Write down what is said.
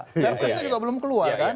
pr pres nya juga belum keluar kan